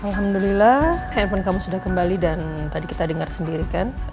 alhamdulillah handphone kamu sudah kembali dan tadi kita dengar sendiri kan